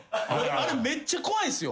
あれめっちゃ怖いんすよ。